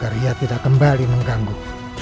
agar ia tidak kembali mengganggu